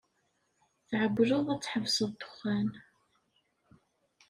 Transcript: Tɛewwleḍ ad tḥebseḍ ddexxan.